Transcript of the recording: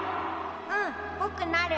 うんぼくなる。